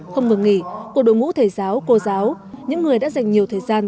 không ngừng nghỉ của đội ngũ thầy giáo cô giáo những người đã dành nhiều thời gian